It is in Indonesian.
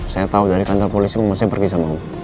saya tahu dari kantor polisi rumah saya pergi sama kamu